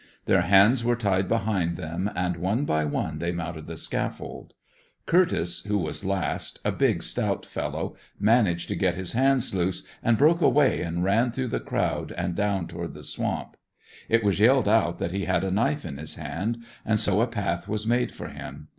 Their hands were tied behind them, and one by one they mounted the scaffold Curtiss, who was last, a big stout fellow, managed to get his hands loose and broke away and ran through the crowd and down toward the swamp. It was yelled out that he had a knife in his hand, and so a path was made for him.